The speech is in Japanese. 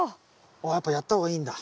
やっぱやった方がいいんだ。